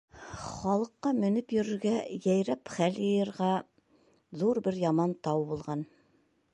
Халыҡҡа менеп йөрөргә, йәйрәп хәл йыйырға ҙур бер яман тау булған.